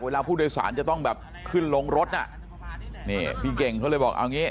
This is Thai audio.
เวลาผู้โดยสารจะต้องแบบขึ้นลงรถน่ะนี่พี่เก่งเขาเลยบอกเอางี้